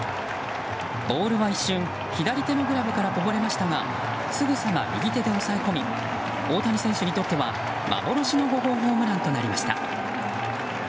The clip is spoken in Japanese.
ボールは一瞬左手のグラブからこぼれましたがすぐさま右で押さえ込み大谷選手にとっては幻の５号ホームランとなりました。